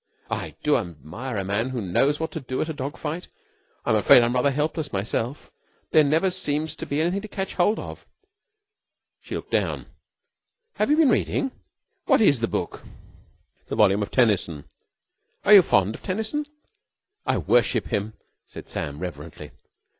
"I do admire a man who knows what to do at a dog fight. I'm afraid I'm rather helpless myself. There never seems anything to catch hold of." She looked down. "Have you been reading? What is the book?" "It's a volume of Tennyson." "Are you fond of Tennyson?" "I worship him," said Sam reverently.